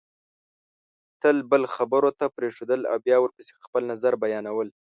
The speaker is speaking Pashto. تل بل خبرو ته پرېښودل او بیا ورپسې خپل نظر بیانول